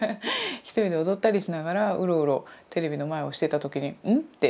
一人で踊ったりしながらウロウロテレビの前をしていた時にうん？って。